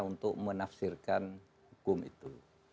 untuk menafsirkan hukum itu